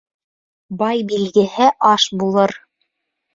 Бай билгеһе аш булыр